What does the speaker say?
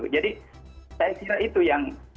jadi saya kira itu yang juga muncul